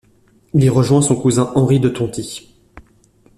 Il y rejoint son cousin Henri de Tonti.